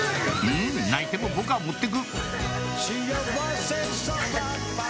「泣いても僕は持ってく！」